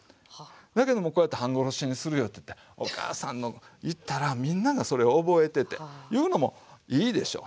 だけどもこうやって「半殺しにするよ」って言ってお母さん言ったらみんながそれを覚えてていうのもいいでしょ。